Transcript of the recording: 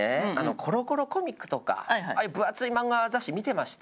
『コロコロコミック』とかああいう分厚い漫画雑誌見てました？